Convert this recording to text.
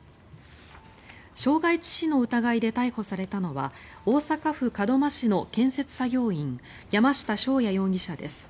傷害致死の疑いで逮捕されたのは大阪府門真市の建設作業員山下翔也容疑者です。